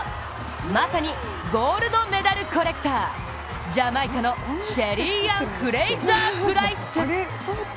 まさにゴールドメダルコレクター、ジャマイカのシェリーアン・フレイザープライス。